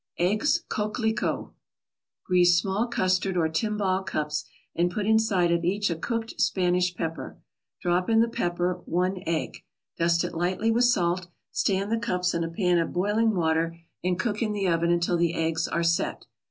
EGGS COQUELICOT Grease small custard or timbale cups and put inside of each a cooked Spanish pepper. Drop in the pepper one egg. Dust it lightly with salt, stand the cups in a pan of boiling water and cook in the oven until the eggs are "set."